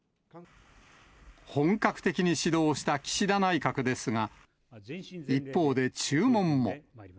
本格的に始動した岸田内閣ですが、一方で注文も。